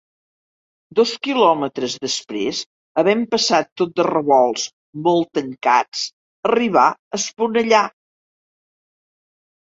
Dos quilòmetres després, havent passat tot de revolts molt tancats, arriba a Esponellà.